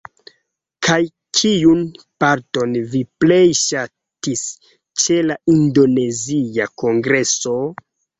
Kaj kiun parton vi plej ŝatis ĉe la indonezia kongreso?